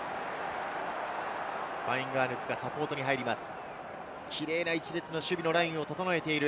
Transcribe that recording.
ファインガアヌクがサポートに入ります。